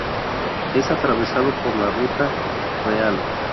Es atravesado por la Ruta Real.